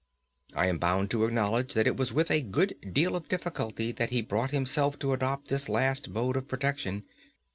I am bound to acknowledge that it was with a good deal of difficulty that he brought himself to adopt this last mode of protection.